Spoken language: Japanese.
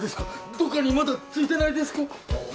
どっかにまだついてないですか？